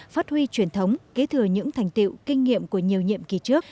phát huy truyền thống kế thừa những thành tiệu kinh nghiệm của nhiều nhiệm kỳ trước